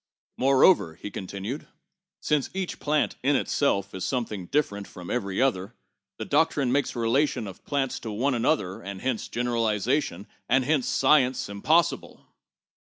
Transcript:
Moreover," he continued, "since each plant in itself is something different from every other, the doctrine makes relation of plants to one another, and hence general ization, and hence science, impossible."